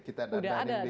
kita dandain dikit